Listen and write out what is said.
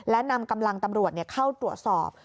และนำกำลังตำรวจเข้าตรวจสอบ